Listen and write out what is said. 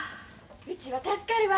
うちは助かるわ。